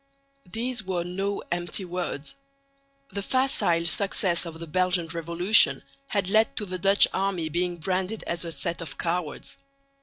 These were no empty words. The facile success of the Belgian revolution had led to the Dutch army being branded as a set of cowards.